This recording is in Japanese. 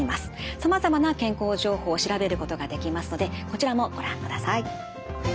さまざまな健康情報を調べることができますのでこちらもご覧ください。